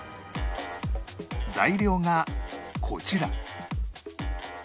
材料がこちら